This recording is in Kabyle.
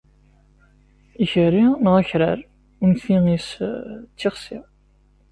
Ikerri neɣ akrar unti-is d tixsi.